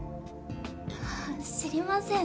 知りません